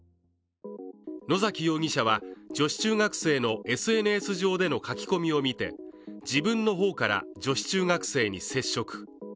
野崎容疑者は女子中学生のＳＮＳ上での書き込みを見て自分の方から女子中学生に接触。